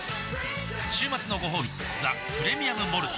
週末のごほうび「ザ・プレミアム・モルツ」